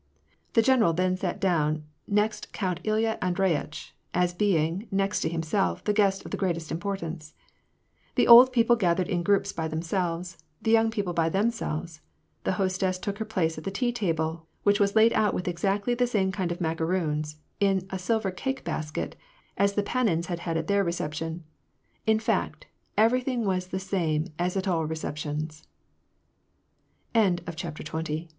The general then sat down next Count Ilya Andreyitch, as being, next to himself, the guest of the greatest importance. The old people gathered in groups by themselves, the young people by themselves ; the hostess took her place at the tea table, which was laid out with exactly the same kind of macaroons, in a silver cake basket, as the Panins had had at their reception ; in fact, everything was exactly the same as at a